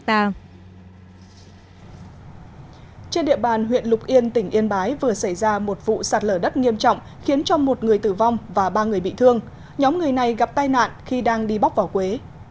trên địa bàn huyện lục yên tỉnh yên bái vừa xảy ra một vụ sạt lở đất nghiêm trọng khiến cho một người tử vong và ba người bị thương nhóm người này gặp tai nạn khi đang đi bóc vào quế